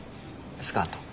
スカート。